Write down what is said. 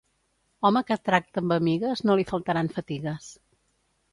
Home que tracta amb amigues, no li faltaran fatigues.